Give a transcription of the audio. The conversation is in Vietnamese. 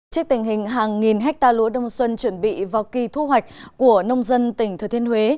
trước tình hình hàng nghìn hectare lúa đông xuân chuẩn bị vào kỳ thu hoạch của nông dân tỉnh thừa thiên huế